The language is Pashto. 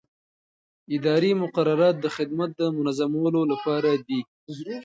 اداري مقررات د خدمت د منظمولو لپاره دي.